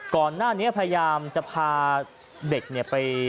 ก่อนหน้านี้พยายามจะพาเด็กเนี่ยไป